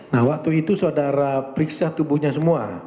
nah waktu itu saudara periksa tubuhnya semua